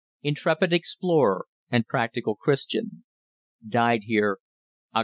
Intrepid Explorer And Practical Christian Died Here Oct.